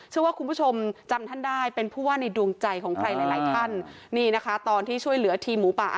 จำท่านได้เป็นผู้ว่าในดวงใจของใครหลายท่านนี่นะคะตอนที่ช่วยเหลือทีมหมูป่า